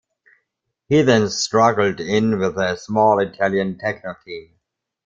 He then struggled in with the small Italian Tecno team.